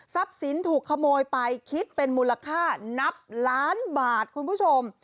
สินถูกขโมยไปคิดเป็นมูลค่านับล้านบาทคุณผู้ชม